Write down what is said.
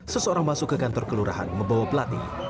seseorang masuk ke kantor kelurahan membawa pelatih